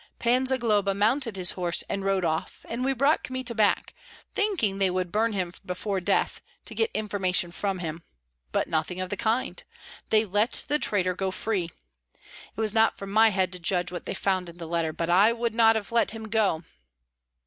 Pan Zagloba mounted his horse and rode off, and we brought Kmita back, thinking they would burn him before death, to get information from him. But nothing of the kind! They let the traitor go free. It was not for my head to judge what they found in the letter, but I would not have let him go."